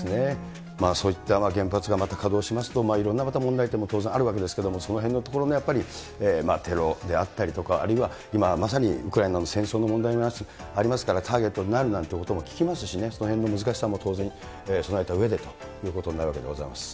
そういった原発がまた稼働しますと、いろんなまた問題点も当然あるわけですけれども、そのへんのところもやっぱり、テロであったりとか、あるいは今まさにウクライナの戦争の問題もありますから、ターゲットになるなんて話も聞きますしね、そのへんの難しさも当然、備えたうえでということになるわけでございます。